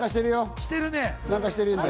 してるね。